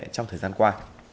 trong thời gian qua